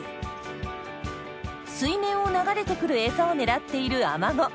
水面を流れてくるエサを狙っているアマゴ。